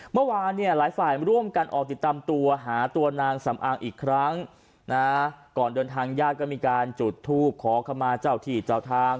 เมื่อวานเนี่ยหลายฝ่ายร่วมกันออกติดตามตัวหาตัวนางสำอางอีกครั้งนะก่อนเดินทางญาติก็มีการจุดทูปขอขมาเจ้าที่เจ้าทาง